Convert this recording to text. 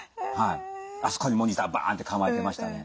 あそこにモニターバーンって構えてましたね。